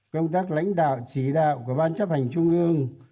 công tác lãnh đạo chỉ đạo của ban chấp hành trung ương